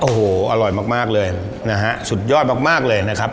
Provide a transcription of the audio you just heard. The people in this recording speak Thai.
โอ้โหอร่อยมากเลยนะฮะสุดยอดมากเลยนะครับ